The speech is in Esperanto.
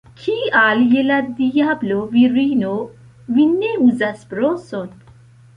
Kial je la diablo, virino, vi ne uzas broson?